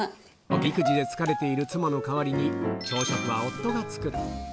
育児で疲れている妻の代わりに、朝食は夫が作る。